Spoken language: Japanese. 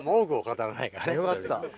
よかった。